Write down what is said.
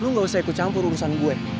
lu gak usah ikut campur urusan gue